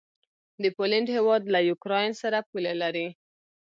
د پولينډ هيواد له یوکراین سره پوله لري.